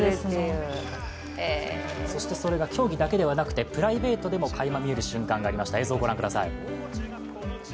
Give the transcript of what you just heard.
それが競技だけじゃなくて、プライベートでもかいま見える瞬間がありました。